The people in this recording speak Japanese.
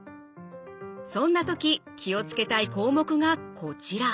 そんな時気を付けたい項目がこちら。